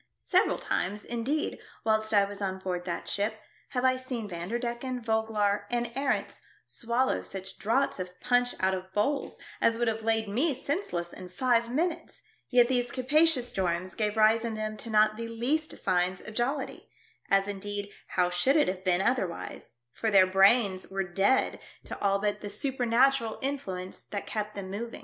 Several times, indeed, whilst I was on board that ship, have 1 seen Vanderdecken, Vogelaar, and Arents swallow such draughts of punch out of bowls, as would have laid me senseless in five minutes, yet these capacious jorums gave rise in them to not the least signs of jollity ; as, indeed, how should it have been other wise, for their brains were dead to all but VANDERDECKEN EXHIBITS SOME TREASURE.